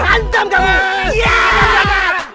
hantam berantem ayo